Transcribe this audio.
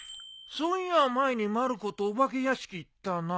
そういや前にまる子とお化け屋敷行ったな。